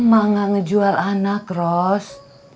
mama gak ngejual anak ros